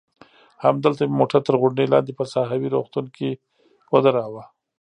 همدلته مې موټر تر غونډۍ لاندې په ساحوي روغتون کې ودراوه.